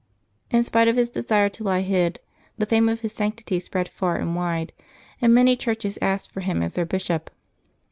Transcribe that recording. In spite of his desire to lie hid, the fame of his sanctity spread far and wide, and many churches asked for him as their Bishop.